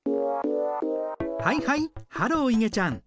はいはいハローいげちゃん。